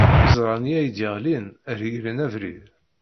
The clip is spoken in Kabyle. Iẓra-nni ay d-yeɣlin reglen abrid.